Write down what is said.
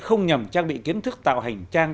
không nhằm trang bị kiến thức tạo hành trang